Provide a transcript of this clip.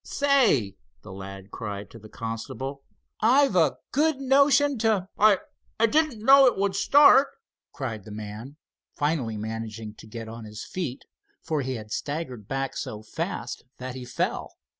"Say!" the lad cried to the constable, "I've a good notion to——" "I—I didn't know it would start!" cried the man, finally managing to get on his feet, for he had staggered back so fast that he fell.